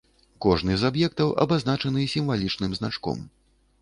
Кожны з аб'ектаў абазначаны сімвалічным значком.